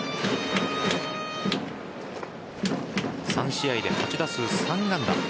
３試合で８打数３安打。